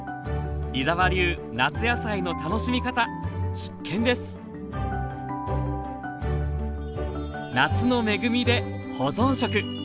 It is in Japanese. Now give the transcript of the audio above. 井澤流夏野菜の楽しみ方必見です「夏の恵みで保存食」。